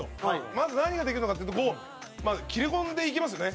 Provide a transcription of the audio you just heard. まず、何ができるのかっていうと切り込んでいけますね。